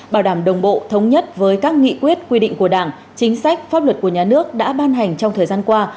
bảo đảm đồng bộ thống nhất với các nghị quyết quy định của đảng chính sách pháp luật của nhà nước đã ban hành trong thời gian qua